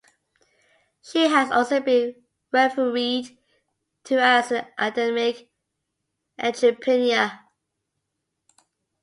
She has also been refereed to as an academic entrepreneur.